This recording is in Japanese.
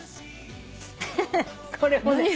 これもね。